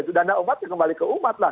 itu dana umatnya kembali ke umatlah